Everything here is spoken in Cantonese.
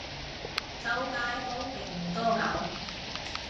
周街都勁多狗